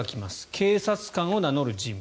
警察官を名乗る人物。